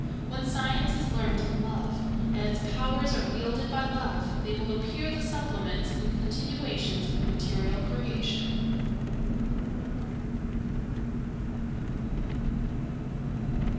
When science is learned in love, and its powers are wielded by love, they will appear the supplements and continuations of the material creation.